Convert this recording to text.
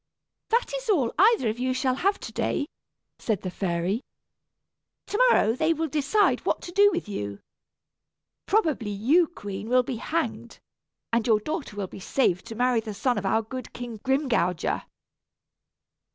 "That is all either of you shall have to day," said the fairy. "To morrow they will decide what to do with you. Probably you, queen, will be hanged, and your daughter be saved to marry the son of our good King Grimgouger."